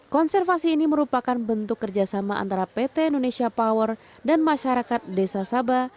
konservasi ini merupakan bentuk kerjasama antara pt indonesia power dan masyarakat desa saba